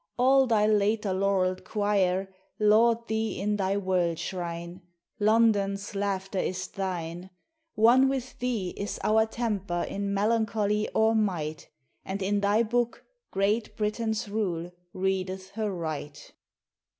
All thy later laurel'd choir Laud thee in thy world shrine: London's laughter is thine; One with thee is our temper in melancholy or might, And in thy book Great Britain's rule readeth her right.